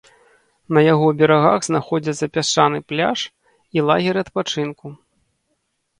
На яго берагах знаходзяцца пясчаныя пляж і лагеры адпачынку.